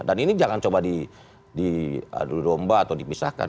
dan ini jangan coba di adu domba atau dipisahkan